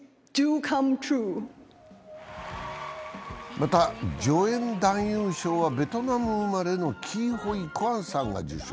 また、助演男優賞はベトナム生まれのキー・ホイ・クァンさんが受賞。